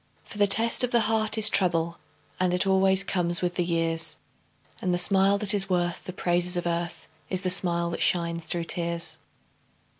For the test of the heart is trouble, And it always comes with the years, And the smile that is worth the praises of earth, Is the smile that shines through tears.